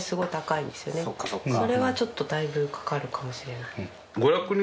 それはちょっとだいぶかかるかもしれない。